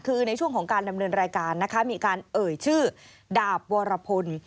คือในช่วงของการดำเนินรายการนะคะมีการเอ่ยชื่อดาบวรพล